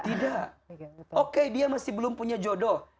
tidak oke dia masih belum punya jodoh